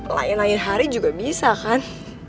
lain lain hari juga bisa kan